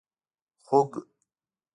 🐖 خوګ